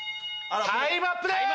タイムアップです！